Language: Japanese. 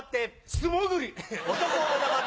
素潜り。